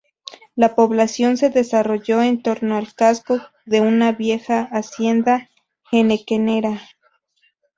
La población se desarrolló en torno al casco de una vieja hacienda henequenera.